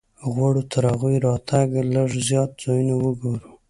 غواړو تر هغوی راتګه لږ زیات ځایونه وګورو.